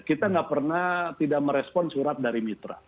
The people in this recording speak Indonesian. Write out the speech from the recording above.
kita nggak pernah tidak merespon surat dari mitra